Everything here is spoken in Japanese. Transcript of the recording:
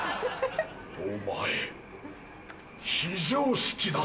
お前非常識だぞ。